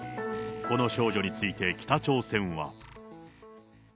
この少女について北朝鮮は。